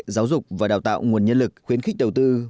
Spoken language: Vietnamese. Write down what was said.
giáo dục và đào tạo nguồn nhân lực khuyến khích đầu tư